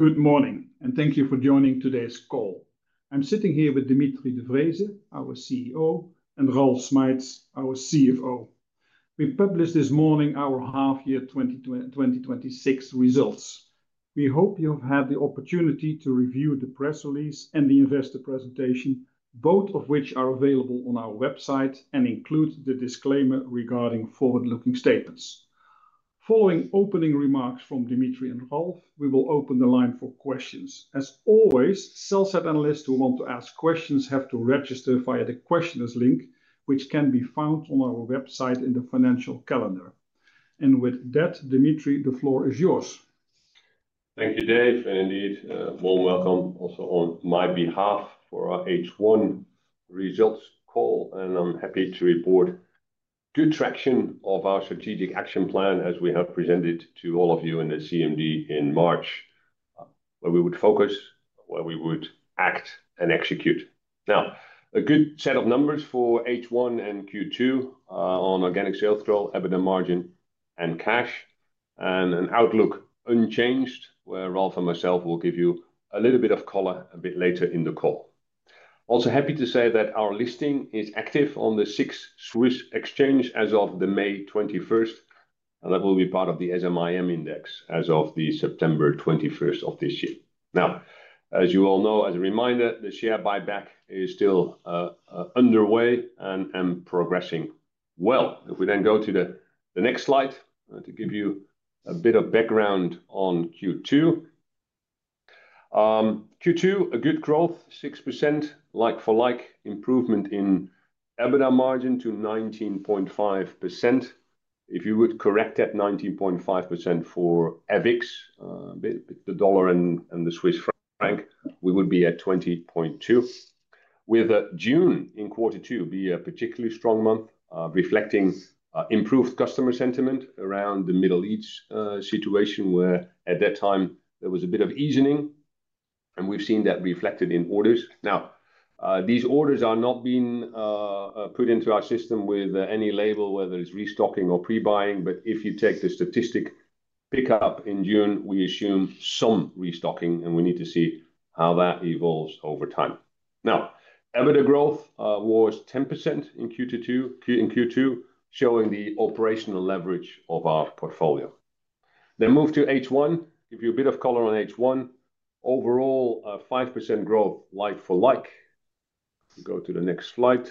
Good morning, and thank you for joining today's call. I am sitting here with Dimitri de Vreeze, our CEO, and Ralf Schmeitz, our CFO. We published this morning our half-year 2026 results. We hope you have had the opportunity to review the press release and the investor presentation, both of which are available on our website and include the disclaimer regarding forward-looking statements. Following opening remarks from Dimitri de Vreeze and Ralf Schmeitz, we will open the line for questions. As always, sell-side analysts who want to ask questions have to register via the questions link, which can be found on our website in the financial calendar. With that, Dimitri de Vreeze, the floor is yours. Thank you, Dave, and indeed, a warm welcome also on my behalf for our H1 results call. I am happy to report good traction of our strategic action plan as we have presented to all of you in the CMD in March, where we would focus, where we would act and execute. A good set of numbers for H1 and Q2 on organic sales growth, EBITDA margin, and cash, and an outlook unchanged, where Ralf and myself will give you a little bit of color a bit later in the call. Happy to say that our listing is active on the SIX Swiss Exchange as of May 21st, and that will be part of the SMIM index as of September 21st of this year. As you all know, as a reminder, the share buyback is still underway and progressing well. If we then go to the next slide to give you a bit of background on Q2. Q2, a good growth, 6%, like-for-like improvement in EBITDA margin to 19.5%. If you would correct that 19.5% for FX, the dollar and the Swiss franc, we would be at 20.2%, with June in Q2 be a particularly strong month, reflecting improved customer sentiment around the Middle East situation, where at that time, there was a bit of easening, and we have seen that reflected in orders. These orders are not being put into our system with any label, whether it is restocking or pre-buying. But if you take the statistic pickup in June, we assume some restocking, and we need to see how that evolves over time. EBITDA growth was 10% in Q2, showing the operational leverage of our portfolio. Move to H1. Give you a bit of color on H1. Overall, a 5% growth like-for-like. Go to the next slide.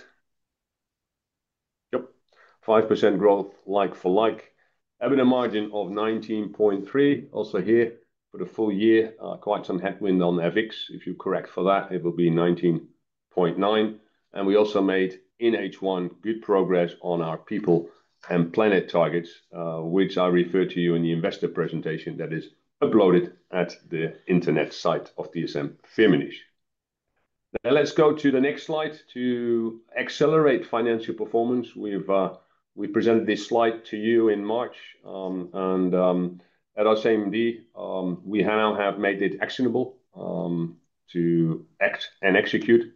5% growth like-for-like. EBITDA margin of 19.3% also here for the full year. Quite some headwind on FX. If you correct for that, it will be 19.9%. We also made in H1 good progress on our people and planet targets, which I refer to you in the investor presentation that is uploaded at the internet site of dsm-firmenich. Let's go to the next slide to accelerate financial performance. We presented this slide to you in March, and at our CMD, we now have made it actionable to act and execute.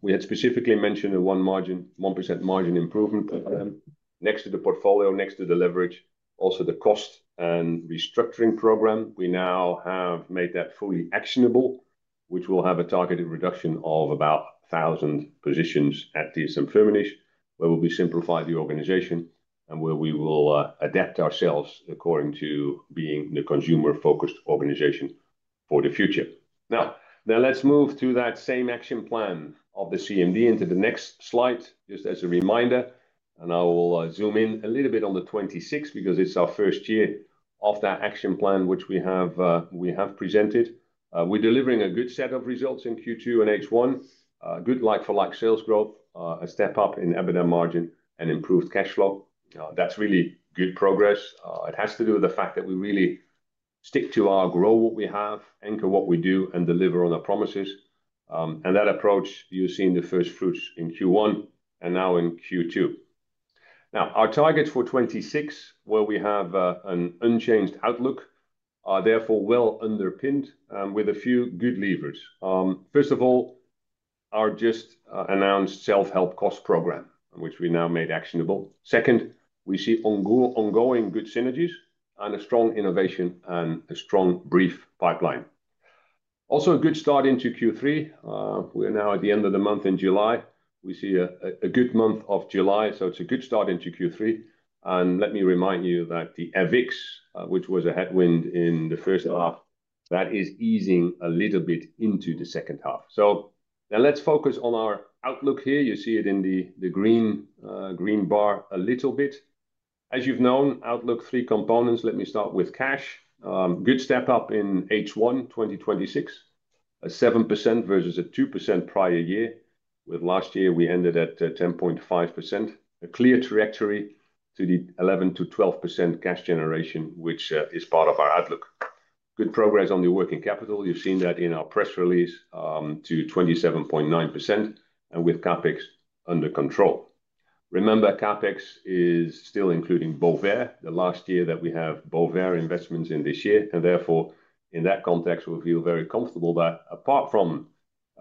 We had specifically mentioned a 1% margin improvement next to the portfolio, next to the leverage, also the cost and restructuring program. We now have made that fully actionable, which will have a targeted reduction of about 1,000 positions at dsm-firmenich, where we simplify the organization and where we will adapt ourselves according to being the consumer-focused organization for the future. Let's move to that same action plan of the CMD into the next slide, just as a reminder, and I will zoom in a little bit on the 2026 because it's our first year of that action plan which we have presented. We're delivering a good set of results in Q2 and H1. Good like-for-like sales growth, a step up in EBITDA margin, and improved cash flow. That's really good progress. It has to do with the fact that we really stick to our grow what we have, anchor what we do, and deliver on our promises. That approach, you've seen the first fruits in Q1 and now in Q2. Now, our targets for 2026, where we have an unchanged outlook, are therefore well underpinned with a few good levers. First of all, our just-announced self-help cost program, which we now made actionable. Second, we see ongoing good synergies and a strong innovation and a strong brief pipeline. Also a good start into Q3. We are now at the end of the month in July. We see a good month of July, so it's a good start into Q3. Let me remind you that the FX, which was a headwind in the first half, that is easing a little bit into the second half. Now let's focus on our outlook here. You see it in the green bar a little bit. As you've known, outlook, three components. Let me start with cash. Good step-up in H1 2026, a 7% versus a 2% prior year. With last year, we ended at 10.5%, a clear trajectory to the 11%-12% cash generation, which is part of our outlook. Good progress on the working capital. You've seen that in our press release, to 27.9%, and with CapEx under control. Remember, CapEx is still including Bovaer, the last year that we have Bovaer investments in this year, and therefore, in that context, we feel very comfortable that apart from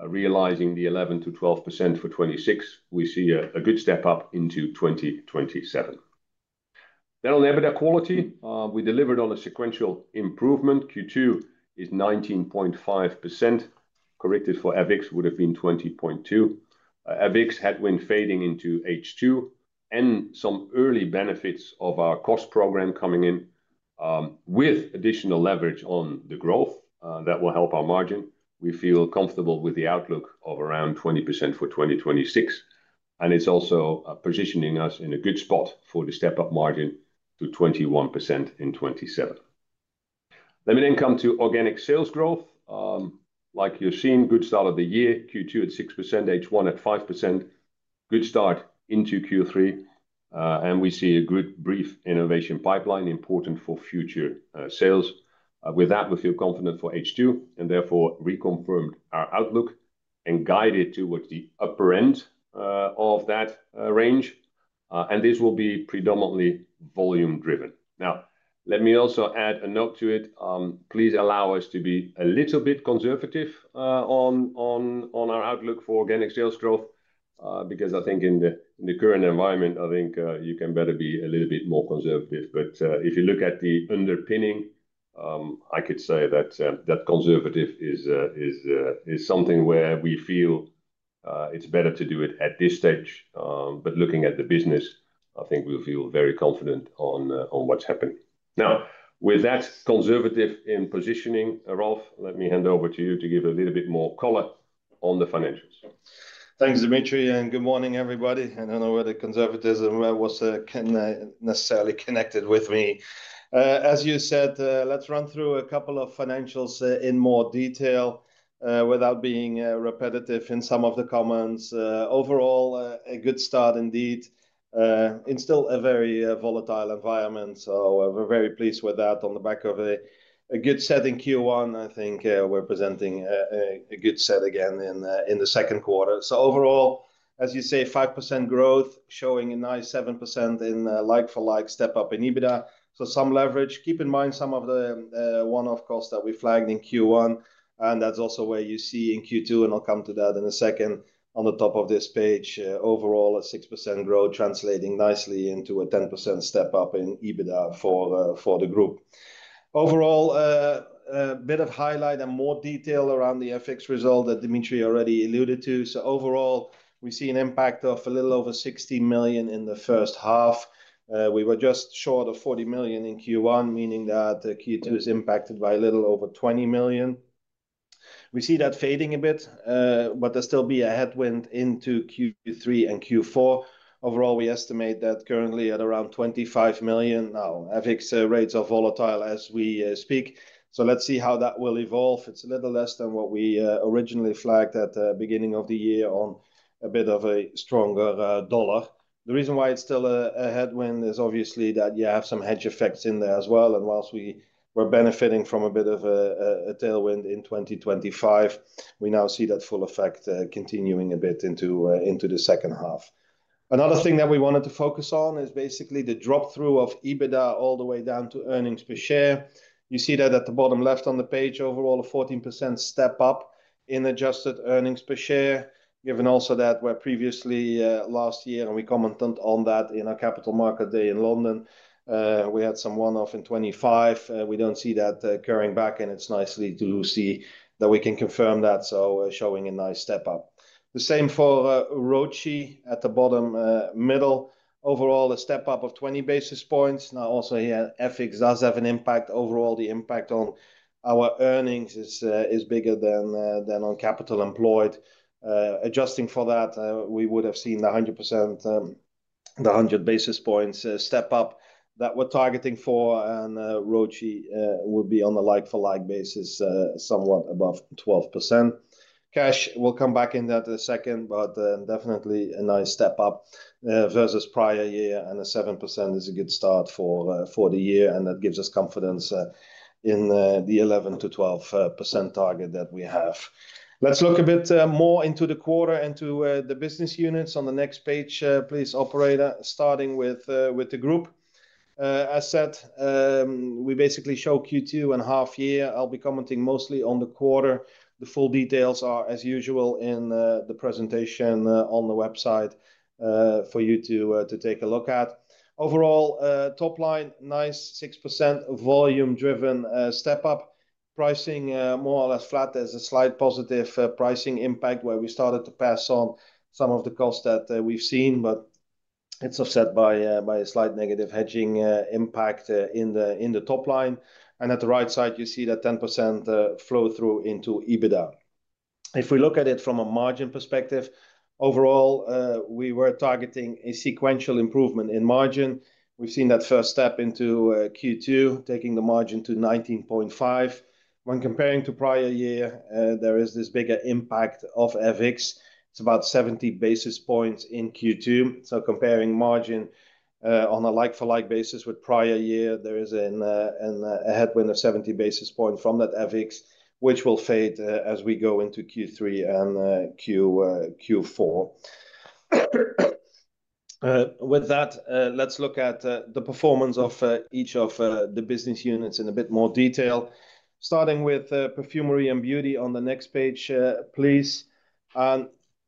realizing the 11%-12% for 2026, we see a good step up into 2027. On EBITDA quality, we delivered on a sequential improvement. Q2 is 19.5%, corrected for FX would have been 20.2%. FX headwind fading into H2, and some early benefits of our cost program coming in, with additional leverage on the growth that will help our margin. We feel comfortable with the outlook of around 20% for 2026, and it's also positioning us in a good spot for the step-up margin to 21% in 2027. Let me come to organic sales growth. Like you're seeing, good start of the year, Q2 at 6%, H1 at 5%. Good start into Q3. We see a good brief innovation pipeline important for future sales. With that, we feel confident for H2, and therefore reconfirmed our outlook and guide it towards the upper end of that range. This will be predominantly volume-driven. Let me also add a note to it. Please allow us to be a little bit conservative on our outlook for organic sales growth, because I think in the current environment, I think you can better be a little bit more conservative. If you look at the underpinning, I could say that conservative is something where we feel it's better to do it at this stage. Looking at the business, I think we feel very confident on what's happening. With that conservative in positioning, Ralf, let me hand over to you to give a little bit more color on the financials. Thanks, Dimitri, and good morning, everybody. I don't know whether conservatism was necessarily connected with me. As you said, let's run through a couple of financials in more detail, without being repetitive in some of the comments. A good start indeed. In still a very volatile environment, we're very pleased with that. On the back of a good set in Q1, I think we're presenting a good set again in the second quarter. Overall, as you say, 5% growth, showing a nice 7% in a like-for-like step-up in EBITDA. Some leverage. Keep in mind some of the one-off costs that we flagged in Q1, and that's also where you see in Q2, and I'll come to that in a second, on the top of this page. A 6% growth translating nicely into a 10% step-up in EBITDA for the group. A bit of highlight and more detail around the FX result that Dimitri already alluded to. Overall, we see an impact of a little over 60 million in the first half. We were just short of 40 million in Q1, meaning that Q2 is impacted by a little over 20 million. We see that fading a bit, but there'll still be a headwind into Q3 and Q4. We estimate that currently at around 25 million now. FX rates are volatile as we speak. Let's see how that will evolve. It's a little less than what we originally flagged at the beginning of the year on a bit of a stronger dollar. The reason why it's still a headwind is obviously that you have some hedge effects in there as well, and whilst we were benefiting from a bit of a tailwind in 2025, we now see that full effect continuing a bit into the second half. Another thing that we wanted to focus on is basically the drop-through of EBITDA all the way down to earnings per share. You see that at the bottom left on the page. A 14% step-up in adjusted earnings per share. Given also that where previously, last year, and we commented on that in our Capital Market Day in London, we had some one-off in 2025. We don't see that carrying back, and it's nicely to see that we can confirm that, showing a nice step-up. The same for ROCE at the bottom middle. A step-up of 20 basis points. Also here, FX does have an impact. Overall, the impact on our earnings is bigger than on capital employed. Adjusting for that, we would have seen 100 basis points step-up that we're targeting for, and ROCE will be on a like-for-like basis, somewhat above 12%. Cash, we'll come back into that in a second. Definitely a nice step-up versus prior year, a 7% is a good start for the year, that gives us confidence in the 11%-12% target that we have. Let's look a bit more into the quarter and to the business units on the next page, please, operator, starting with the group. As said, we basically show Q2 and half year. I'll be commenting mostly on the quarter. The full details are, as usual, in the presentation on the website for you to take a look at. Overall, top line, nice 6% volume-driven step-up. Pricing, more or less flat. There's a slight positive pricing impact where we started to pass on some of the cost that we've seen, but it's offset by a slight negative hedging impact in the top line. At the right side, you see that 10% flow-through into EBITDA. If we look at it from a margin perspective, overall, we were targeting a sequential improvement in margin. We've seen that first step into Q2, taking the margin to 19.5. When comparing to prior year, there is this bigger impact of FX. It's about 70 basis points in Q2. Comparing margin on a like-for-like basis with prior year, there is a headwind of 70 basis points from that FX, which will fade as we go into Q3 and Q4. With that, let's look at the performance of each of the business units in a bit more detail. Starting with Perfumery & Beauty on the next page, please.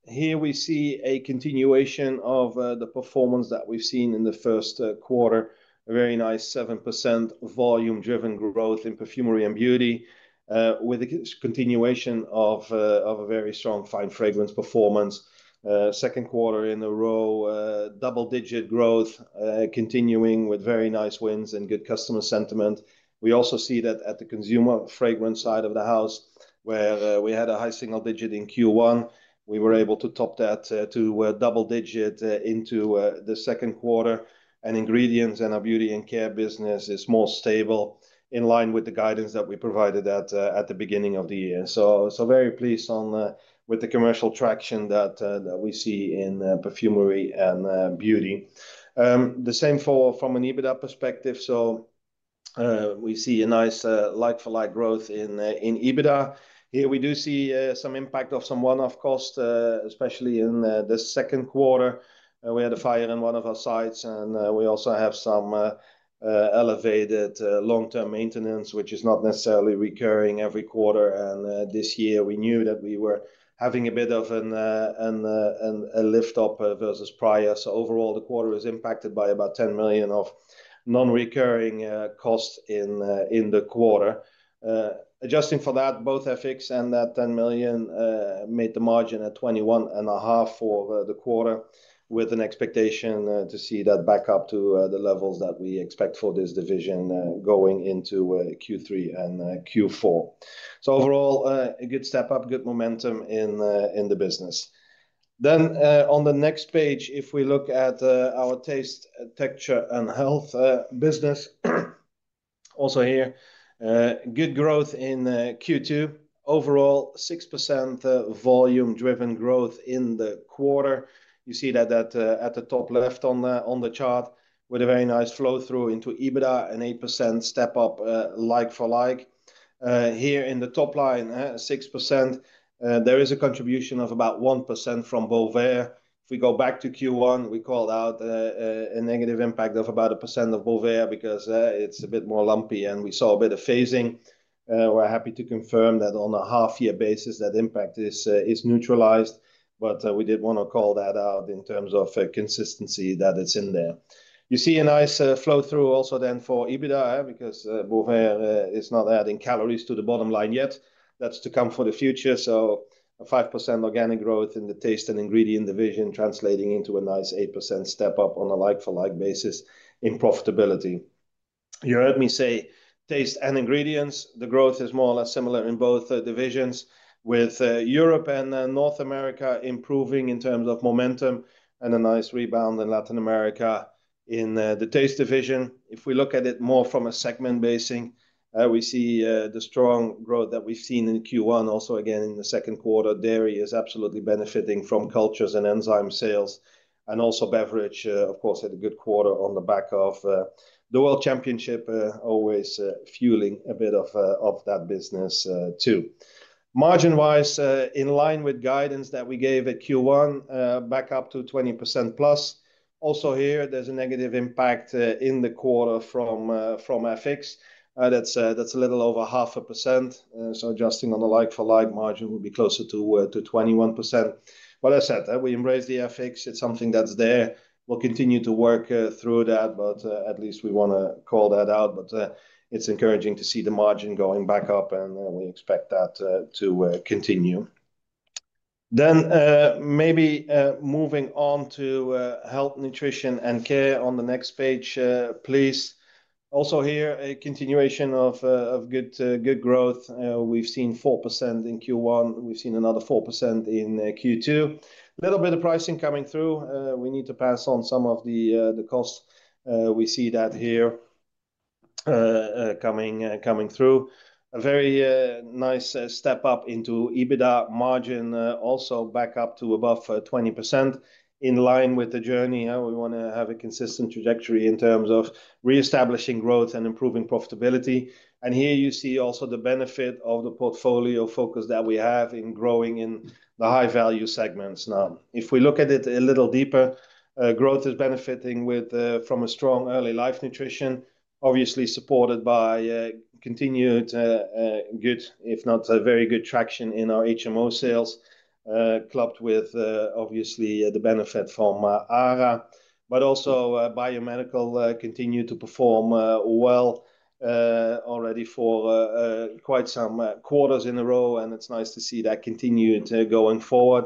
Here we see a continuation of the performance that we've seen in the first quarter. A very nice 7% volume-driven growth in Perfumery & Beauty, with a continuation of a very strong fine fragrance performance. Second quarter in a row, double-digit growth, continuing with very nice wins and good customer sentiment. We also see that at the consumer fragrance side of the house, where we had a high single digit in Q1, we were able to top that to double digit into the second quarter. Ingredients in our beauty and care business is more stable, in line with the guidance that we provided at the beginning of the year. Very pleased with the commercial traction that we see in Perfumery & Beauty. The same from an EBITDA perspective, we see a nice like-for-like growth in EBITDA. Here we do see some impact of some one-off cost, especially in the second quarter. We had a fire in one of our sites, and we also have some elevated long-term maintenance, which is not necessarily recurring every quarter. This year we knew that we were having a bit of a lift up versus prior. Overall, the quarter was impacted by about 10 million of non-recurring costs in the quarter. Adjusting for that, both FX and that 10 million made the margin at 21.5 for the quarter, with an expectation to see that back up to the levels that we expect for this division going into Q3 and Q4. Overall, a good step up, good momentum in the business. On the next page, if we look at our Taste, Texture and Health business. Also here, good growth in Q2. Overall, 6% volume-driven growth in the quarter. You see that at the top left on the chart, with a very nice flow-through into EBITDA, an 8% step up like for like. Here in the top line, 6%. There is a contribution of about 1% from Bovaer. If we go back to Q1, we called out a negative impact of about 1% of Bovaer because it's a bit more lumpy and we saw a bit of phasing. We're happy to confirm that on a half-year basis, that impact is neutralized, but we did want to call that out in terms of consistency that it's in there. You see a nice flow-through also for EBITDA, because Bovaer is not adding calories to the bottom line yet. That's to come for the future. A 5% organic growth in the Taste and Ingredient division translating into a nice 8% step up on a like-for-like basis in profitability. You heard me say Taste and Ingredients. The growth is more or less similar in both divisions, with Europe and North America improving in terms of momentum and a nice rebound in Latin America. In the Taste division, if we look at it more from a segment basing, we see the strong growth that we've seen in Q1. Also again in the second quarter, dairy is absolutely benefiting from cultures and enzyme sales, and also beverage, of course, had a good quarter on the back of the world championship, always fueling a bit of that business, too. Margin-wise, in line with guidance that we gave at Q1, back up to 20%+. Also here, there's a negative impact in the quarter from FX. That's a little over 0.5%. Adjusting on a like-for-like margin would be closer to 21%. As I said, we embrace the FX. It's something that's there. We'll continue to work through that, but at least we want to call that out. It's encouraging to see the margin going back up, and we expect that to continue. Maybe moving on to Health, Nutrition, and Care on the next page, please. Also here, a continuation of good growth. We've seen 4% in Q1. We've seen another 4% in Q2. A little bit of pricing coming through. We need to pass on some of the costs. We see that here coming through. A very nice step up into EBITDA margin. Also back up to above 20%, in line with the journey. We want to have a consistent trajectory in terms of reestablishing growth and improving profitability. Here you see also the benefit of the portfolio focus that we have in growing in the high-value segments now. If we look at it a little deeper, growth is benefiting from a strong early life nutrition, obviously supported by continued good, if not very good traction in our HMO sales, clubbed with, obviously, the benefit from life'sARA. Also, biomedical continued to perform well already for quite some quarters in a row, and it's nice to see that continuing going forward.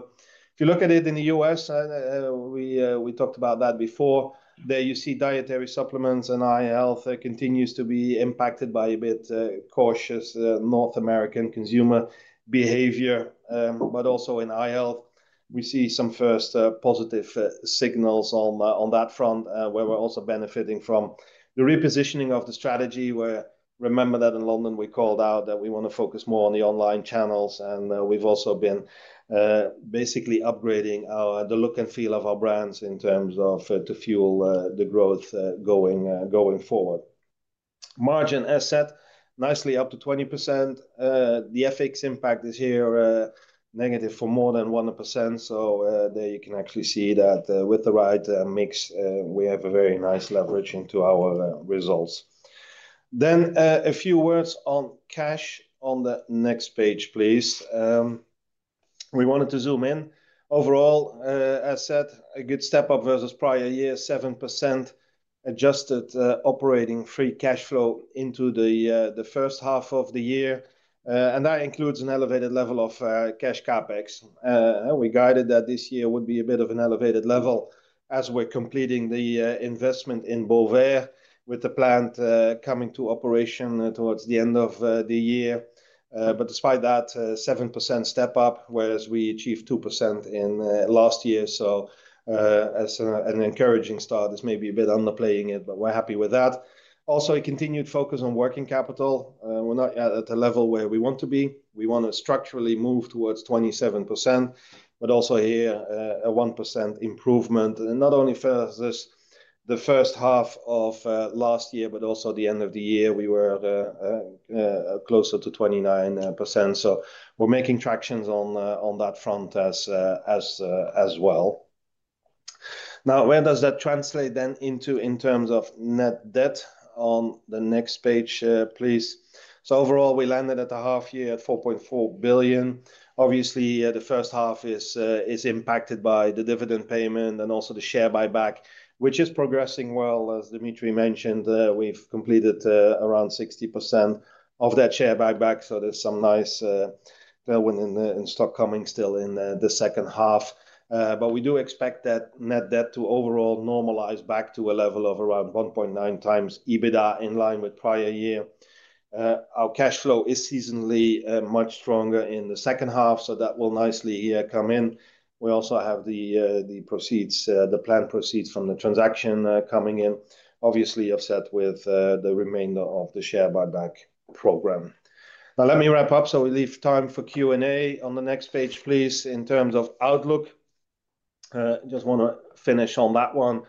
If you look at it in the U.S., we talked about that before. There you see dietary supplements and i-Health continues to be impacted by a bit cautious North American consumer behavior. Also in eye health, we see some first positive signals on that front, where we're also benefiting from the repositioning of the strategy where, remember that in London, we called out that we want to focus more on the online channels, and we've also been basically upgrading the look and feel of our brands in terms of to fuel the growth going forward. Margin, as said, nicely up to 20%. The FX impact is here negative for more than 1%. There you can actually see that with the right mix, we have a very nice leverage into our results. A few words on cash on the next page, please. We wanted to zoom in. Overall, as said, a good step up versus prior year, 7% adjusted operating free cash flow into the first half of the year. That includes an elevated level of cash CapEx. We guided that this year would be a bit of an elevated level as we're completing the investment in Bovaer, with the plant coming to operation towards the end of the year. Despite that, 7% step up, whereas we achieved 2% in last year. As an encouraging start. This may be a bit underplaying it, but we're happy with that. Also, a continued focus on working capital. We're not yet at the level where we want to be. We want to structurally move towards 27%, but also here, a 1% improvement. Not only for the first half of last year, but also the end of the year, we were closer to 29%. We're making tractions on that front as well. Where does that translate then into in terms of net debt? On the next page, please. Overall, we landed at the half year at 4.4 billion. Obviously, the first half is impacted by the dividend payment and also the share buyback, which is progressing well. As Dimitri mentioned, we've completed around 60% of that share buyback, so there's some nice tailwind in stock coming still in the second half. We do expect that net debt to overall normalize back to a level of around 1.9x EBITDA in line with prior year. Our cash flow is seasonally much stronger in the second half, that will nicely here come in. We also have the planned proceeds from the transaction coming in, obviously offset with the remainder of the share buyback program. Let me wrap up so we leave time for Q&A. On the next page, please, in terms of outlook. Just want to finish on that one.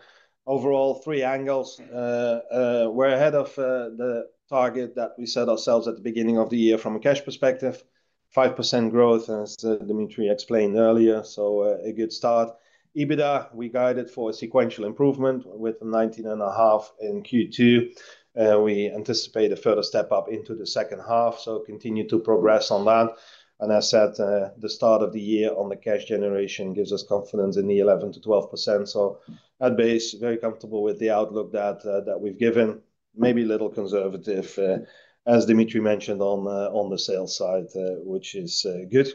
Overall, three angles. We're ahead of the target that we set ourselves at the beginning of the year from a cash perspective, 5% growth, as Dimitri explained earlier. A good start. EBITDA, we guided for a sequential improvement with the 19.5 in Q2. We anticipate a further step up into the second half, continue to progress on that. As said, the start of the year on the cash generation gives us confidence in the 11%-12%, at base, very comfortable with the outlook that we've given. Maybe a little conservative, as Dimitri mentioned on the sales side, which is good.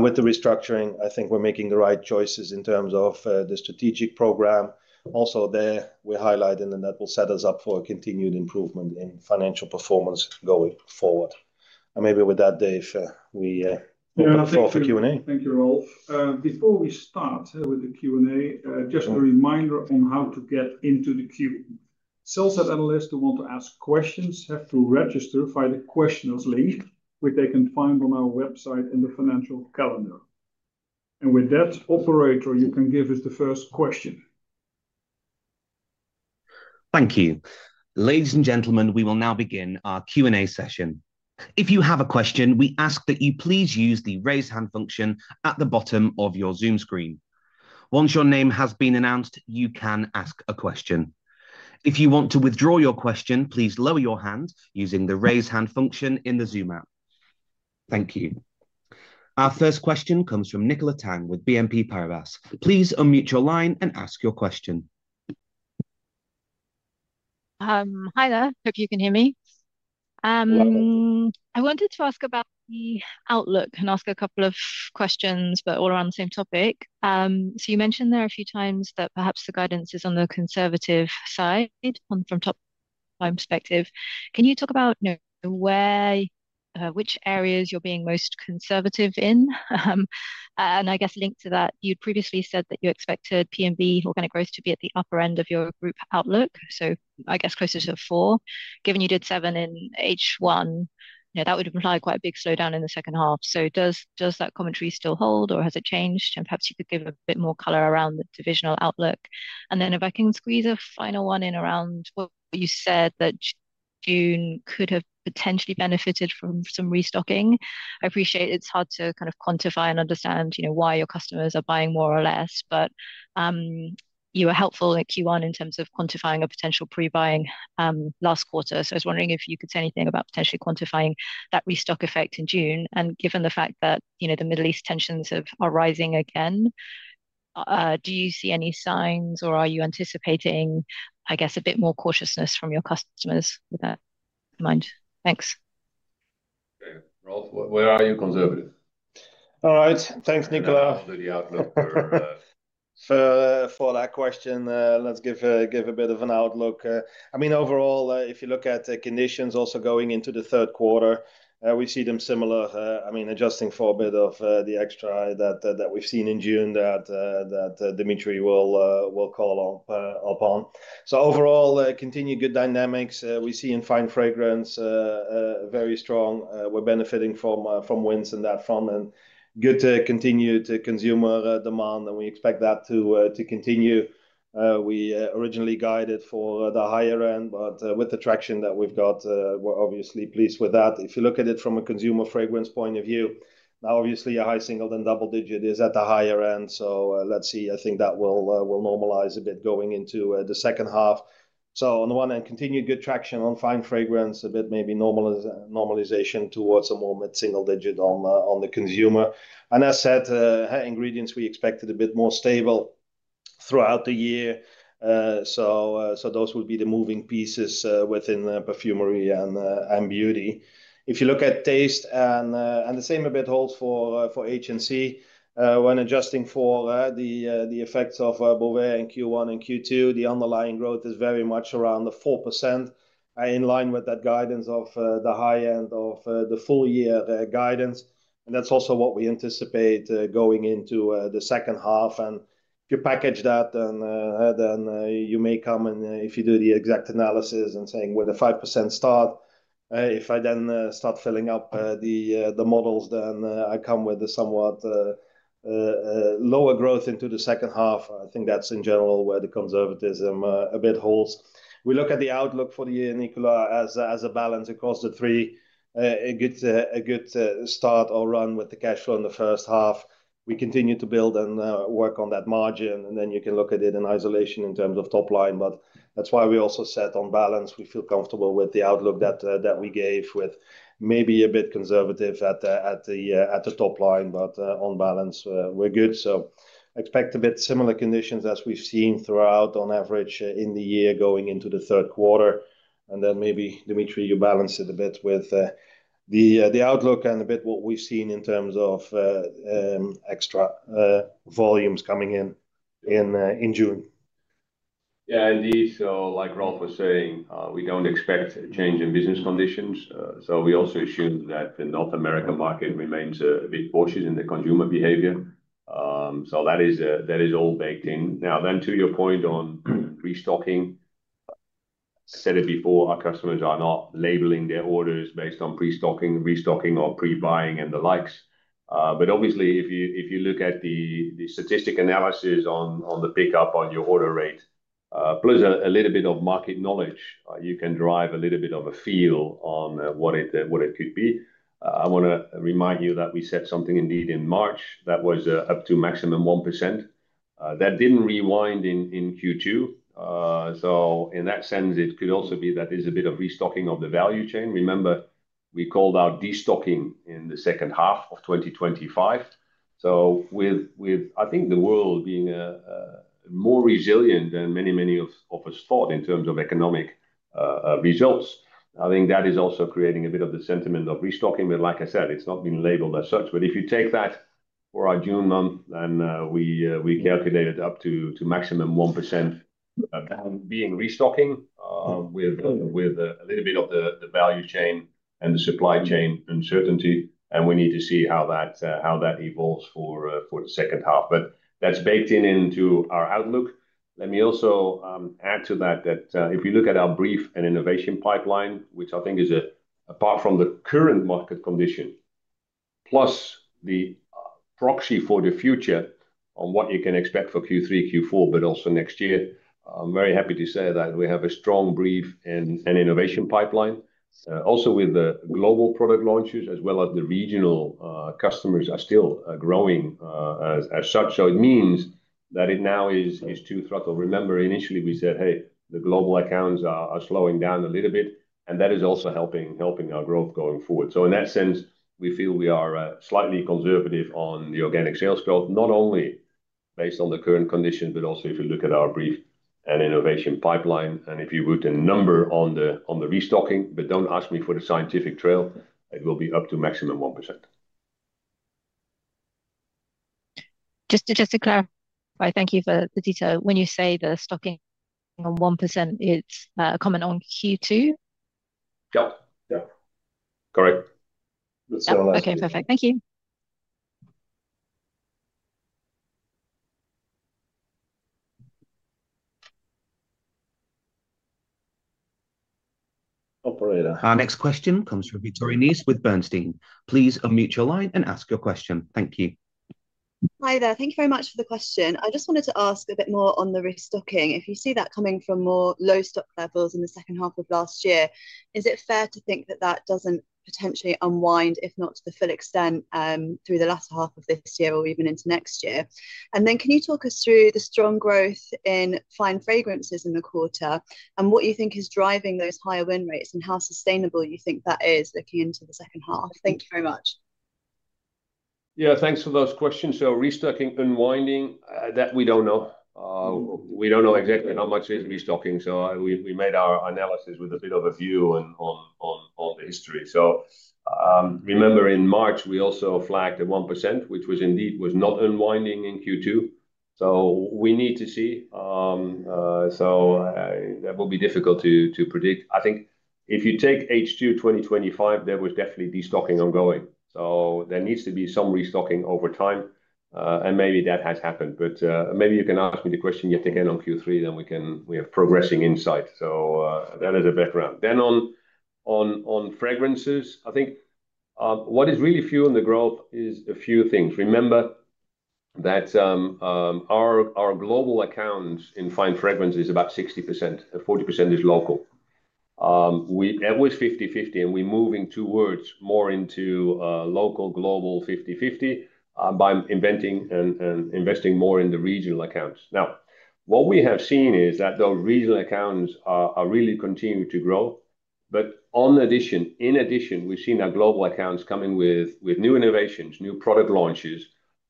With the restructuring, I think we're making the right choices in terms of the strategic program. Also there, we highlighted, and that will set us up for a continued improvement in financial performance going forward. Maybe with that, Dave, we open the floor for Q&A. Thank you, Ralf. Before we start with the Q&A, just a reminder on how to get into the queue. Sales and analysts who want to ask questions have to register via the questioners link, which they can find on our website in the financial calendar. With that, operator, you can give us the first question. Thank you. Ladies and gentlemen, we will now begin our Q&A session. If you have a question, we ask that you please use the raise hand function at the bottom of your Zoom screen. Once your name has been announced, you can ask a question. If you want to withdraw your question, please lower your hand using the raise hand function in the Zoom app. Thank you. Our first question comes from Nicola Tang with BNP Paribas. Please unmute your line and ask your question. Hi there. Hope you can hear me. Yes. I wanted to ask about the outlook and ask a couple of questions, all around the same topic. You mentioned there a few times that perhaps the guidance is on the conservative side from top-line perspective. Can you talk about which areas you're being most conservative in? I guess linked to that, you'd previously said that you expected P&B organic growth to be at the upper end of your group outlook, so I guess closer to four. Given you did seven in H1, that would imply quite a big slowdown in the second half. Does that commentary still hold, or has it changed? Perhaps you could give a bit more color around the divisional outlook. If I can squeeze a final one in around what you said that June could have potentially benefited from some restocking. I appreciate it's hard to kind of quantify and understand why your customers are buying more or less, but you were helpful in Q1 in terms of quantifying a potential pre-buying last quarter. I was wondering if you could say anything about potentially quantifying that restock effect in June, and given the fact that the Middle East tensions are rising again, do you see any signs or are you anticipating, I guess, a bit more cautiousness from your customers with that in mind? Thanks. Okay. Ralf, where are you conservative? All right. Thanks, Nicola- For the outlook for- for that question, let's give a bit of an outlook. Overall, if you look at conditions also going into the third quarter, we see them similar. Adjusting for a bit of the extra that we've seen in June that Dimitri will call upon. Overall, continued good dynamics. We see in fine fragrance, very strong. We're benefiting from wins in that front, and good continued consumer demand, and we expect that to continue. We originally guided for the higher end, but with the traction that we've got, we're obviously pleased with that. If you look at it from a consumer fragrance point of view, now obviously a high single than double digit is at the higher end, so let's see. I think that will normalize a bit going into the second half. On the one hand, continued good traction on fine fragrance, a bit maybe normalization towards a more mid-single-digit on the consumer. As said, ingredients we expected a bit more stable throughout the year, those will be the moving pieces within Perfumery & Beauty. If you look at taste, the same a bit holds for HNC when adjusting for the effects of Bovaer in Q1 and Q2, the underlying growth is very much around the 4%, in line with that guidance of the high end of the full year guidance. That's also what we anticipate going into the second half. If you package that, then you may come, and if you do the exact analysis and saying, "Where the 5% start?" If I start filling up the models, I come with a somewhat lower growth into the second half. I think that's in general where the conservatism a bit holds. We look at the outlook for the year, Nicola, as a balance across the three. A good start or run with the cash flow in the first half. We continue to build and work on that margin, and you can look at it in isolation in terms of top line, that's why we also said on balance, we feel comfortable with the outlook that we gave with maybe a bit conservative at the top line. On balance, we're good. Expect a bit similar conditions as we've seen throughout, on average, in the year going into the third quarter, and maybe Dimitri, you balance it a bit with the outlook and a bit what we've seen in terms of extra volumes coming in in June. Yeah, indeed. Like Ralf was saying, we don't expect a change in business conditions. We also assume that the North American market remains a bit cautious in the consumer behavior. That is all baked in. To your point on restocking, said it before, our customers are not labeling their orders based on pre-stocking, restocking or pre-buying and the likes. Obviously, if you look at the statistic analysis on the pickup on your order rate, plus a little bit of market knowledge, you can derive a little bit of a feel on what it could be. I want to remind you that we said something indeed in March, that was up to maximum 1%. That didn't rewind in Q2. In that sense, it could also be that there's a bit of restocking of the value chain. Remember, we called out de-stocking in the second half of 2025. With, I think the world being more resilient than many of us thought in terms of economic results, I think that is also creating a bit of the sentiment of restocking. Like I said, it's not been labeled as such. If you take that for our June month, we calculated up to maximum 1% of that being restocking, with a little bit of the value chain and the supply chain uncertainty, and we need to see how that evolves for the second half. That's baked in into our outlook. Let me also add to that, if you look at our brief and innovation pipeline, which I think is apart from the current market condition, plus the proxy for the future on what you can expect for Q3, Q4, but also next year, I'm very happy to say that we have a strong brief and innovation pipeline. Also with the global product launches, as well as the regional customers are still growing as such. It means that it now is to throttle. Remember initially we said, "Hey, the global accounts are slowing down a little bit," and that is also helping our growth going forward. In that sense, we feel we are slightly conservative on the organic sales growth, not only based on the current condition, but also if you look at our brief and innovation pipeline, and if you put a number on the restocking, but don't ask me for the scientific trail, it will be up to maximum 1%. Just to clarify, thank you for the detail. When you say the stocking on 1%, it's a comment on Q2? Yeah. Correct. Okay, perfect. Thank you. Operator. Our next question comes from Victoria Nice with Bernstein. Please unmute your line and ask your question. Thank you. Hi there. Thank you very much for the question. I just wanted to ask a bit more on the restocking. If you see that coming from more low stock levels in the second half of last year, is it fair to think that that doesn't potentially unwind, if not to the full extent, through the latter half of this year or even into next year? Can you talk us through the strong growth in fine fragrances in the quarter, and what you think is driving those higher win rates, and how sustainable you think that is looking into the second half? Thank you very much. Yeah, thanks for those questions. Restocking, unwinding, that we don't know. We don't know exactly how much is restocking. We made our analysis with a bit of a view on the history. Remember in March, we also flagged a 1%, which was indeed was not unwinding in Q2. We need to see. That will be difficult to predict. I think if you take H2 2025, there was definitely de-stocking ongoing. There needs to be some restocking over time. Maybe that has happened. Maybe you can ask me the question yet again on Q3, then we have progressing insight. That is a background. On fragrances, I think what is really fueling the growth is a few things. Remember that our global accounts in fine fragrance is about 60%, and 40% is local. That was 50/50, and we're moving towards more into local, global 50/50 by inventing and investing more in the regional accounts. What we have seen is that those regional accounts are really continuing to grow. In addition, we've seen our global accounts coming with new innovations, new product launches,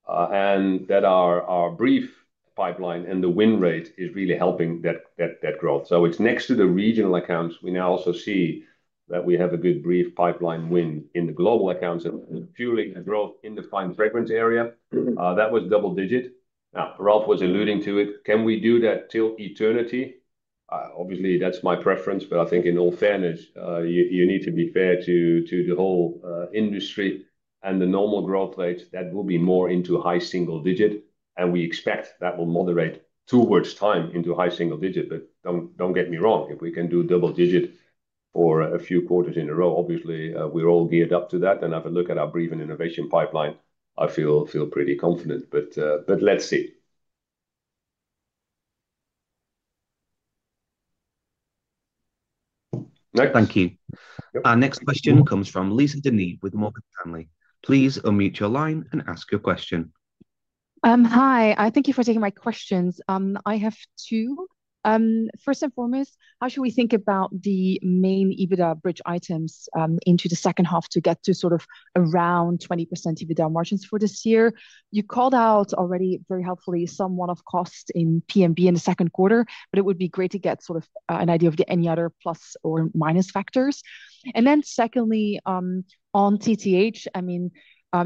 and that our brief pipeline and the win rate is really helping that growth. It's next to the regional accounts, we now also see that we have a good brief pipeline win in the global accounts and fueling the growth in the fine fragrance area. That was double digit. Ralf was alluding to it. Can we do that till eternity? That's my preference, but I think in all fairness, you need to be fair to the whole industry and the normal growth rate, that will be more into high single digit, and we expect that will moderate towards time into high single digit. Don't get me wrong, if we can do double digit for a few quarters in a row, we're all geared up to that. Have a look at our brief and innovation pipeline. I feel pretty confident, but let's see. Next. Thank you. Our next question comes from Lisa De Neve with Morgan Stanley. Please unmute your line and ask your question. Hi, thank you for taking my questions. I have two. First and foremost, how should we think about the main EBITDA bridge items into the second half to get to sort of around 20% EBITDA margins for this year? You called out already very helpfully some one-off costs in P&B in the second quarter. It would be great to get sort of an idea of any other plus or minus factors. Secondly, on TTH,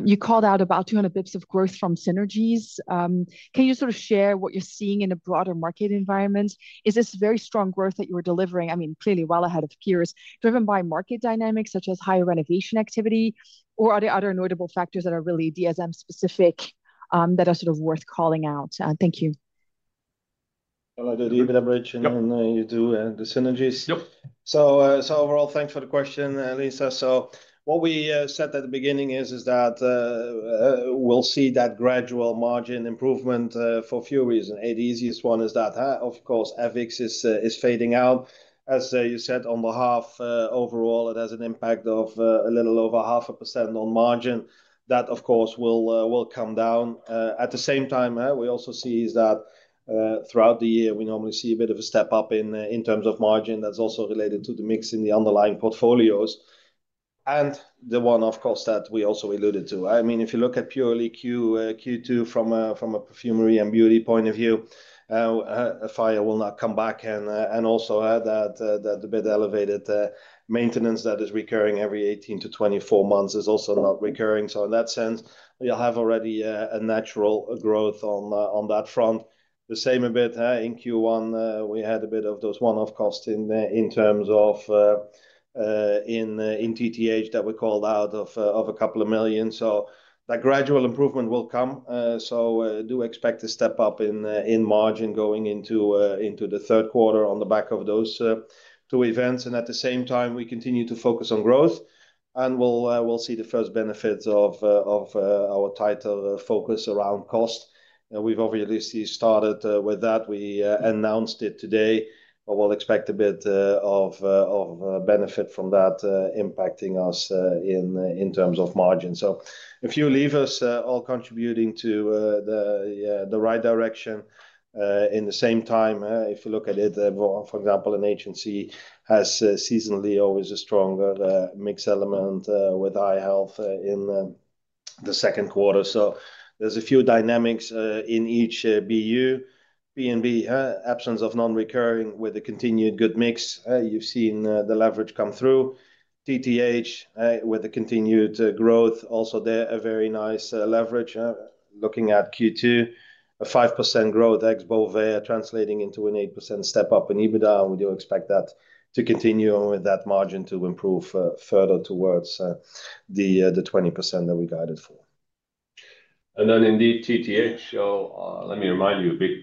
you called out about 200 basis points of growth from synergies. Can you sort of share what you're seeing in a broader market environment? Is this very strong growth that you are delivering, clearly well ahead of peers, driven by market dynamics such as higher renovation activity, or are there other notable factors that are really DSM specific, that are sort of worth calling out? Thank you. The EBITDA bridge- Yep. You do, the synergies. Yep. Overall, thanks for the question, Lisa. What we said at the beginning is that we'll see that gradual margin improvement for a few reasons. The easiest one is that, of course, FX is fading out. As you said, on the half, overall, it has an impact of a little over half a percent on margin. That, of course, will come down. At the same time, we also see is that, throughout the year, we normally see a bit of a step up in terms of margin that's also related to the mix in the underlying portfolios. The one, of course, that we also alluded to. If you look at purely Q2 from a Perfumery & Beauty point of view, a fire will not come back, and also that the bit elevated maintenance that is recurring every 18-24 months is also not recurring. In that sense, you'll have already a natural growth on that front. The same a bit in Q1, we had a bit of those one-off costs in terms of in TTH that we called out of EUR a couple of million. That gradual improvement will come. Do expect a step up in margin going into the third quarter on the back of those two events. At the same time, we continue to focus on growth, and we'll see the first benefits of our tighter focus around cost. We've obviously started with that. We announced it today, but we'll expect a bit of benefit from that impacting us in terms of margin. A few levers all contributing to the right direction. At the same time, if you look at it, for example, ANH has seasonally always a stronger mix element with i-Health in the second quarter. There's a few dynamics in each BU. P&B, absence of non-recurring with a continued good mix. You've seen the leverage come through. TTH, with the continued growth also, there a very nice leverage. Looking at Q2, a 5% growth ex Bovaer translating into an 8% step-up in EBITDA, and we do expect that to continue and with that margin to improve further towards the 20% that we guided for. Then indeed, TTH. Let me remind you, a big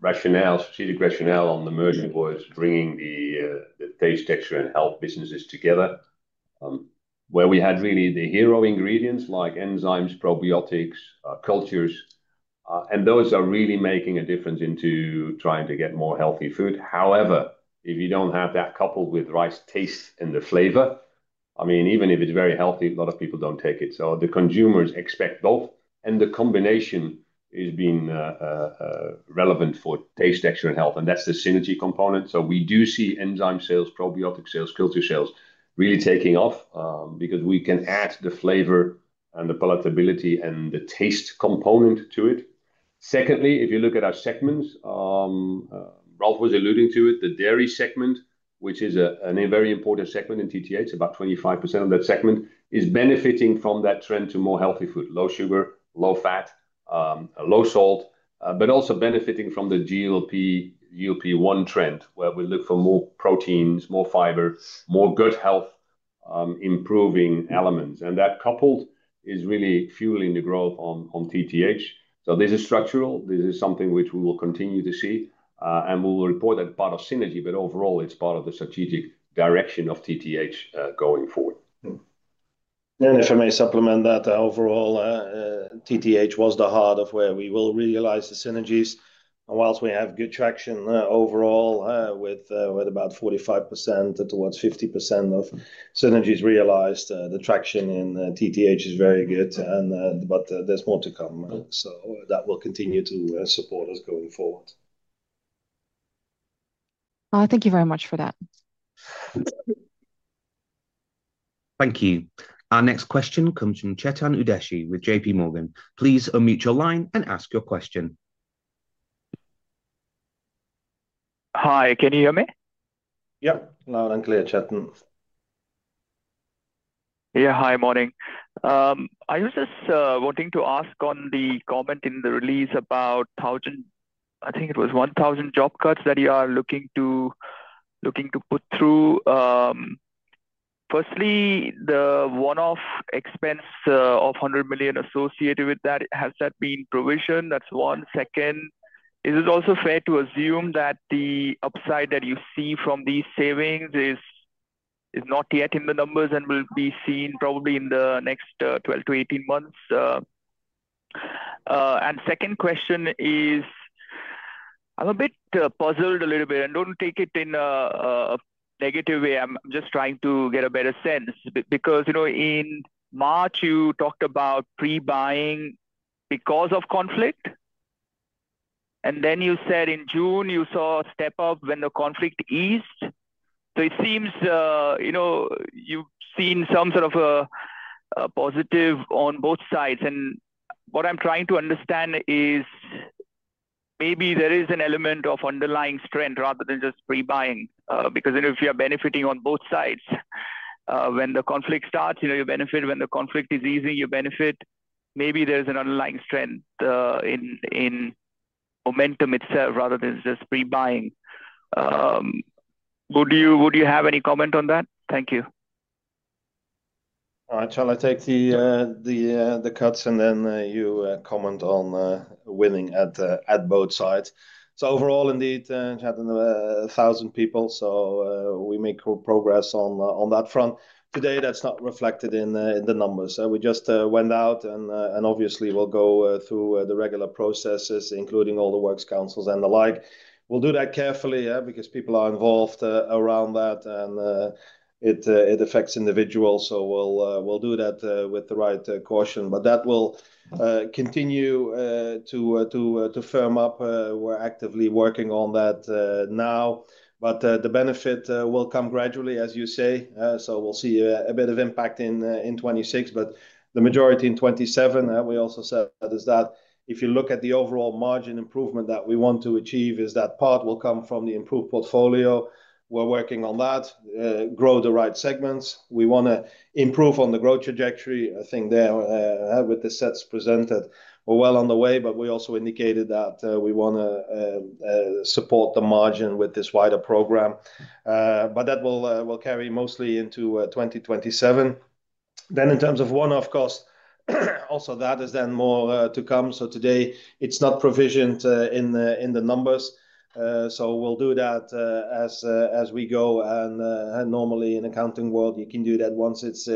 rationale, strategic rationale on the merger was bringing the taste, texture, and health businesses together, where we had really the hero ingredients like enzymes, probiotics, cultures, and those are really making a difference into trying to get more healthy food. However, if you don't have that coupled with right taste and the flavor, even if it's very healthy, a lot of people don't take it. The consumers expect both, and the combination is being relevant for taste, texture, and health, and that's the synergy component. We do see enzyme sales, probiotic sales, culture sales really taking off, because we can add the flavor and the palatability and the taste component to it. Secondly, if you look at our segments, Ralf was alluding to it, the dairy segment, which is a very important segment in TTH, it's about 25% of that segment, is benefiting from that trend to more healthy food, low sugar, low fat, low salt, but also benefiting from the GLP-1 trend, where we look for more proteins, more fiber, more gut health improving elements. That coupled is really fueling the growth on TTH. This is structural. This is something which we will continue to see, and we will report that part of synergy, but overall, it's part of the strategic direction of TTH going forward. If I may supplement that, overall, TTH was the heart of where we will realize the synergies. Whilst we have good traction overall, with about 45%-50% of synergies realized, the traction in TTH is very good, but there's more to come. That will continue to support us going forward. Thank you very much for that. Thank you. Our next question comes from Chetan Udeshi with JPMorgan. Please unmute your line and ask your question. Hi, can you hear me? Yep, loud and clear, Chetan. Yeah. Hi, morning. I was just wanting to ask on the comment in the release about, I think it was 1,000 job cuts that you are looking to put through. Firstly, the one-off expense of 100 million associated with that, has that been provisioned? That's one second. Is it also fair to assume that the upside that you see from these savings is not yet in the numbers and will be seen probably in the next 12-18 months? Second question is, I'm a bit puzzled a little bit, and don't take it in a negative way, I'm just trying to get a better sense. In March, you talked about pre-buying because of conflict, and then you said in June you saw a step-up when the conflict eased. It seems you've seen some sort of a positive on both sides. What I'm trying to understand is maybe there is an element of underlying strength rather than just pre-buying. Then if you are benefiting on both sides, when the conflict starts, you benefit, when the conflict is easing, you benefit. Maybe there's an underlying strength in momentum itself rather than just pre-buying. Would you have any comment on that? Thank you. Shall I take the cuts and then you comment on winning at both sides? Overall, indeed, Chetan, 1,000 people, we make progress on that front. Today, that's not reflected in the numbers. We just went out and obviously we'll go through the regular processes, including all the works councils and the like. We'll do that carefully, because people are involved around that and it affects individuals, so we'll do that with the right caution. That will continue to firm up. We're actively working on that now. The benefit will come gradually, as you say. We'll see a bit of impact in 2026, but the majority in 2027. We also said is that if you look at the overall margin improvement that we want to achieve is that part will come from the improved portfolio. We're working on that. Grow the right segments. We want to improve on the growth trajectory. I think there, with the sets presented, we're well on the way, but we also indicated that we want to support the margin with this wider program. That will carry mostly into 2027. In terms of one-off costs, also that is then more to come. Today it's not provisioned in the numbers. We'll do that as we go, and normally in accounting world, you can do that once it's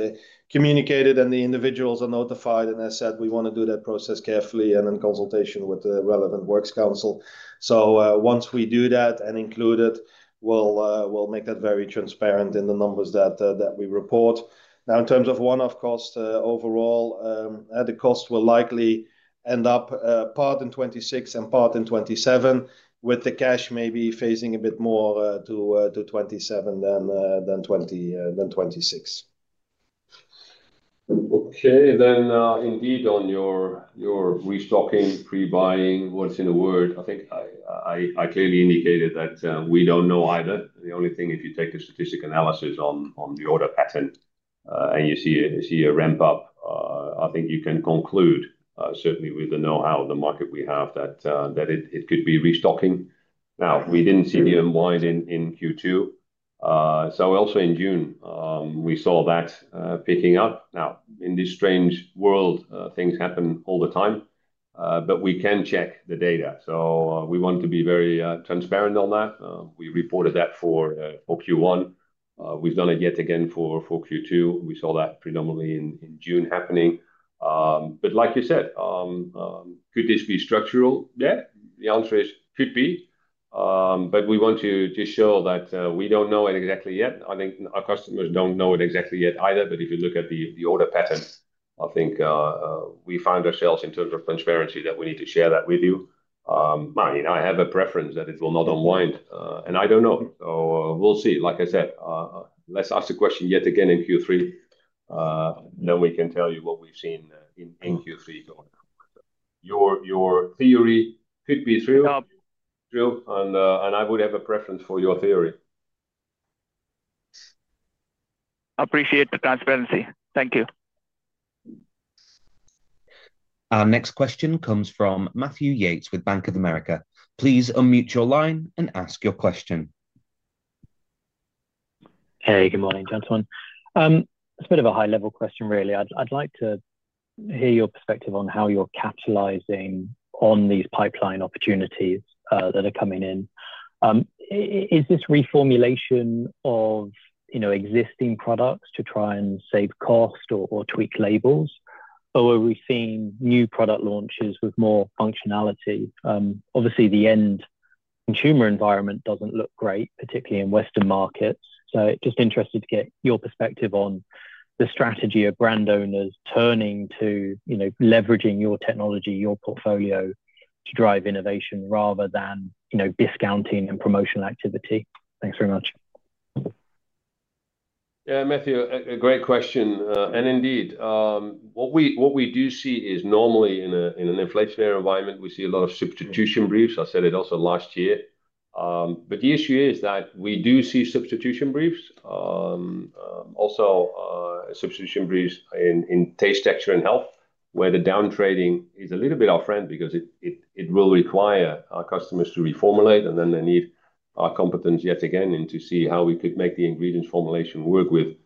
communicated and the individuals are notified. I said we want to do that process carefully and in consultation with the relevant works council. Once we do that and include it, we'll make that very transparent in the numbers that we report. In terms of one-off cost overall, the cost will likely end up part in 2026 and part in 2027, with the cash maybe phasing a bit more to 2027 than 2026. Indeed on your restocking, pre-buying, what's in a word, I think I clearly indicated that we don't know either. The only thing, if you take the statistic analysis on the order pattern and you see a ramp-up, I think you can conclude, certainly with the know-how of the market we have, that it could be restocking. We didn't see the unwind in Q2. Also in June, we saw that picking up. In this strange world, things happen all the time, but we can check the data. We want to be very transparent on that. We reported that for Q1. We've done it yet again for Q2. We saw that predominantly in June happening. Like you said, could this be structural? Yeah, the answer is could be. We want to show that we don't know it exactly yet. I think our customers don't know it exactly yet either. If you look at the order pattern, I think we find ourselves, in terms of transparency, that we need to share that with you. I have a preference that it will not unwind, and I don't know. We'll see. Like I said, let's ask the question yet again in Q3, then we can tell you what we've seen in Q3 going forward. Your theory could be true. Yeah True, I would have a preference for your theory. Appreciate the transparency. Thank you. Our next question comes from Matthew Yates with Bank of America. Please unmute your line and ask your question. Hey, good morning, gentlemen. It's a bit of a high-level question, really. I'd like to hear your perspective on how you're capitalizing on these pipeline opportunities that are coming in. Is this reformulation of existing products to try and save cost or tweak labels? Are we seeing new product launches with more functionality? Obviously, the end consumer environment doesn't look great, particularly in Western markets. Just interested to get your perspective on the strategy of brand owners turning to leveraging your technology, your portfolio to drive innovation rather than discounting and promotional activity. Thanks very much. Yeah, Matthew, a great question. Indeed, what we do see is normally in an inflationary environment, we see a lot of substitution briefs. I said it also last year. The issue is that we do see substitution briefs, also substitution briefs in TTH, where the down-trading is a little bit our friend because it will require our customers to reformulate, and then they need our competence yet again, and to see how we could make the ingredients formulation work with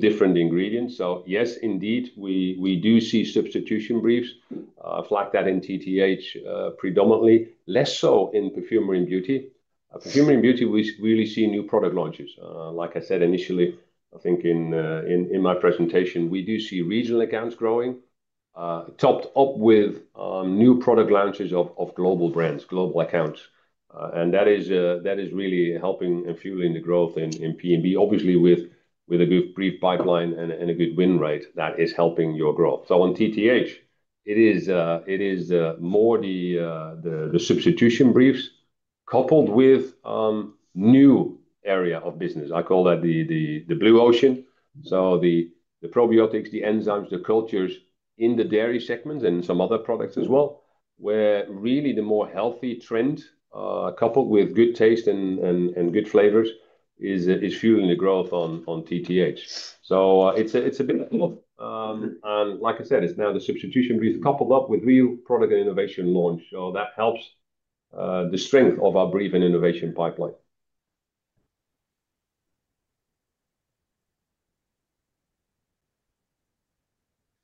different ingredients. Yes, indeed, we do see substitution briefs, like that in TTH predominantly. Less so in Perfumery & Beauty. Perfumery & Beauty, we really see new product launches. Like I said initially, I think in my presentation, we do see regional accounts growing, topped up with new product launches of global brands, global accounts. That is really helping and fueling the growth in P&B, obviously with a good brief pipeline and a good win rate that is helping your growth. On TTH, it is more the substitution briefs coupled with new area of business. I call that the blue ocean. The probiotics, the enzymes, the cultures in the dairy segments and some other products as well, where really the more healthy trend, coupled with good taste and good flavors is fueling the growth on TTH. It's a bit of both. Like I said, it's now the substitution briefs coupled up with new product and innovation launch. That helps the strength of our brief and innovation pipeline.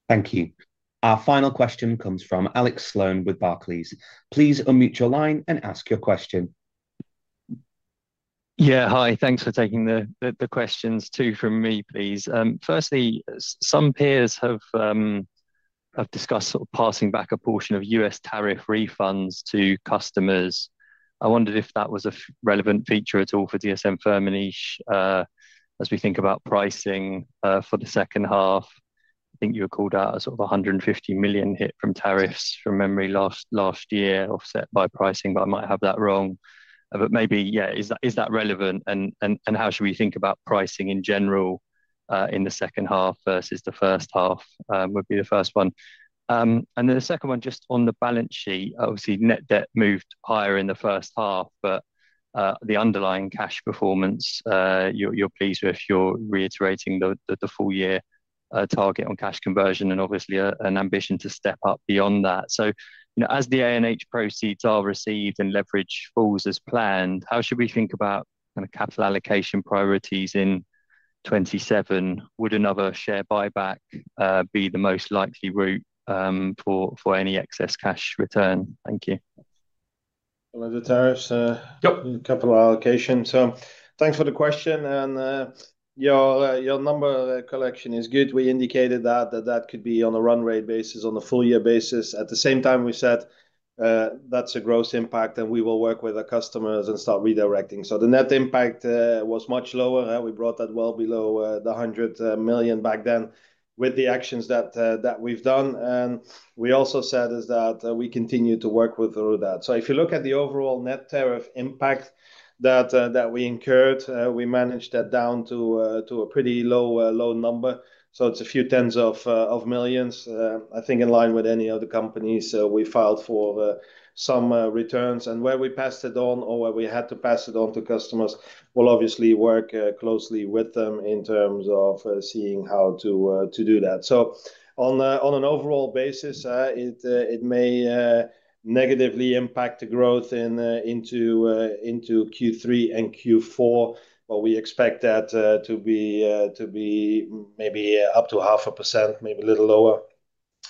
Thank you. Our final question comes from Alex Sloane with Barclays. Please unmute your line and ask your question. Yeah. Hi. Thanks for taking the questions, two from me, please. Firstly, some peers have discussed passing back a portion of U.S. tariff refunds to customers. I wondered if that was a relevant feature at all for dsm-firmenich, as we think about pricing for the second half. I think you called out a sort of 150 million hit from tariffs from memory last year, offset by pricing, but I might have that wrong. Maybe, yeah, is that relevant? How should we think about pricing in general, in the second half versus the first half? Would be the first one. The second one, just on the balance sheet, obviously, net debt moved higher in the first half, but the underlying cash performance, you're pleased with, you're reiterating the full year target on cash conversion and obviously an ambition to step up beyond that. As the ANH proceeds are received and leverage falls as planned, how should we think about capital allocation priorities in 2027? Would another share buyback be the most likely route for any excess cash return? Thank you. The tariffs- Yep ...capital allocation. Thanks for the question. Your number collection is good. We indicated that that could be on a run rate basis, on a full year basis. At the same time, we said that's a gross impact and we will work with our customers and start redirecting. The net impact was much lower. We brought that well below the 100 million back then with the actions that we've done. We also said is that we continue to work with through that. If you look at the overall net tariff impact that we incurred, we managed that down to a pretty low number. It's a few tens of millions, I think in line with any other companies. We filed for some returns, where we passed it on or where we had to pass it on to customers, we'll obviously work closely with them in terms of seeing how to do that. On an overall basis, it may negatively impact the growth into Q3 and Q4. We expect that to be maybe up to 0.5%, maybe a little lower.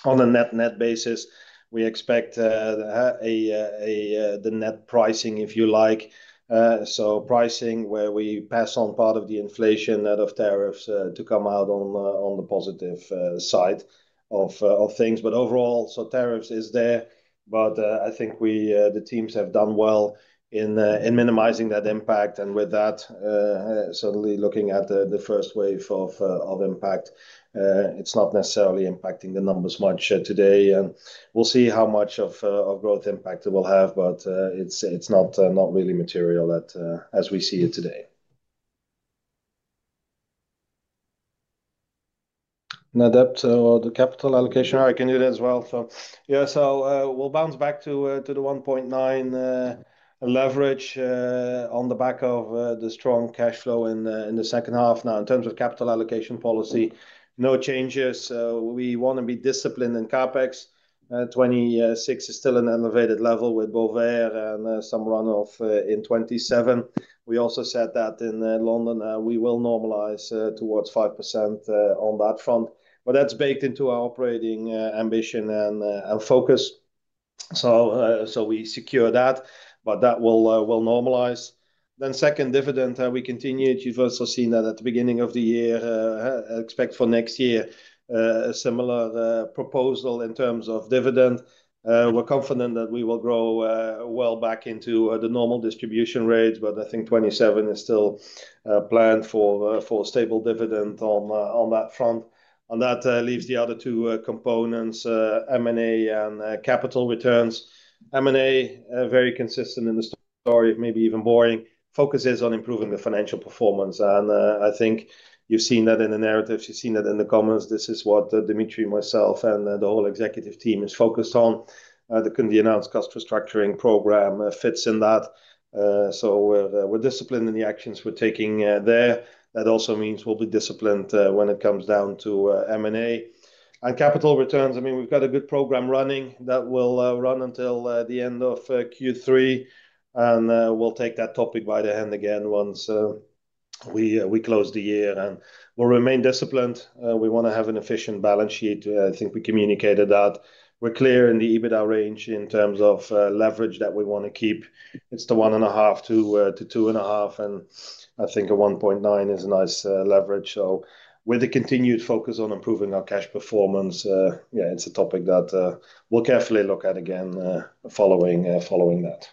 On a net basis, we expect the net pricing, if you like, pricing where we pass on part of the inflation out of tariffs to come out on the positive side of things. Overall, tariffs is there. I think the teams have done well in minimizing that impact. With that, certainly looking at the first wave of impact, it's not necessarily impacting the numbers much today, we'll see how much of growth impact it will have, it's not really material as we see it today. Net debt or the capital allocation, I can do that as well. We'll bounce back to the 1.9 leverage on the back of the strong cash flow in the second half. Now, in terms of capital allocation policy, no changes. We want to be disciplined in CapEx. 2026 is still an elevated level with Bovaer and some runoff in 2027. We also said that in London, we will normalize towards 5% on that front. That's baked into our operating ambition and focus. We secure that, but that will normalize. Second dividend, we continued. You've also seen that at the beginning of the year. Expect for next year a similar proposal in terms of dividend. We're confident that we will grow well back into the normal distribution rates, but I think 2027 is still planned for stable dividend on that front. That leaves the other two components, M&A and capital returns. M&A, very consistent in the story, maybe even boring. Focus is on improving the financial performance. I think you've seen that in the narratives, you've seen that in the comments. This is what Dimitri, myself, and the whole executive team is focused on. The announced cost restructuring program fits in that. We're disciplined in the actions we're taking there. That also means we'll be disciplined when it comes down to M&A. Capital returns, we've got a good program running that will run until the end of Q3, we'll take that topic by the hand again once we close the year. We'll remain disciplined. We want to have an efficient balance sheet. I think we communicated that. We're clear in the EBITDA range in terms of leverage that we want to keep. It's the 1.5-2.5, and I think a 1.9 is a nice leverage. With the continued focus on improving our cash performance, it's a topic that we'll carefully look at again following that.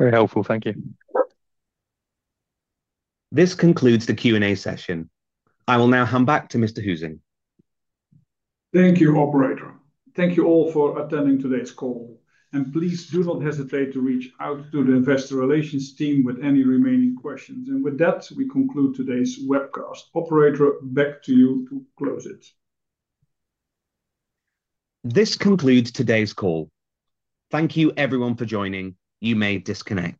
Very helpful. Thank you. This concludes the Q&A session. I will now hand back to Mr. Huizing. Thank you, operator. Thank you all for attending today's call. Please do not hesitate to reach out to the investor relations team with any remaining questions. With that, we conclude today's webcast. Operator, back to you to close it. This concludes today's call. Thank you everyone for joining. You may disconnect.